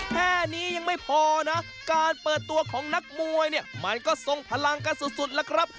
แค่นี้ยังไม่พอนะการเปิดตัวของนักมวยเนี่ยมันก็ทรงพลังกันสุดล่ะครับ